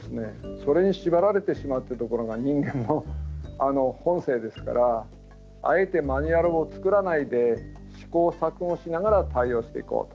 それに縛られてしまうっていうところが人間の本性ですからあえてマニュアルを作らないで試行錯誤しながら対応していこうと。